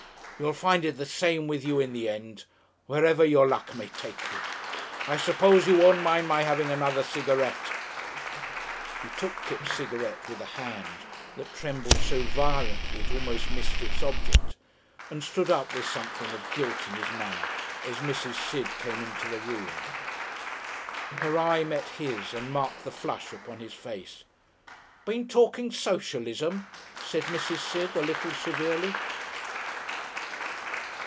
You'll find it the same with you in the end, wherever your luck may take you.... I suppose you won't mind my having another cigarette?" He took Kipps' cigarette with a hand that trembled so violently it almost missed its object, and stood up, with something of guilt in his manner as Mrs. Sid came into the room. Her eye met his and marked the flush upon his face. "Been talking Socialism?" said Mrs. Sid, a little severely.